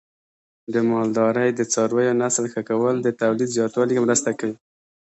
د مالدارۍ د څارویو نسل ښه کول د تولید زیاتوالي کې مرسته کوي.